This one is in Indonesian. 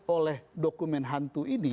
oleh dokumen hantu ini